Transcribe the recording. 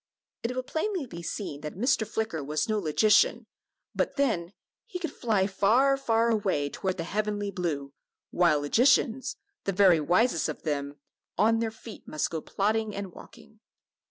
It will plainly be seen that Mr. Flicker was no logician, but then, he could fly far, far away toward the heavenly blue, while logicians the very wisest of them "on their feet must go plodding and walking."